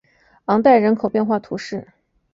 昂代人口变化图示